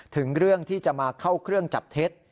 ถึงเรื่องที่จะมาเข้าเครื่องจับเท็จ